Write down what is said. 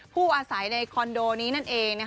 ผู้อาศัยในคอนโดนี้นั่นเอง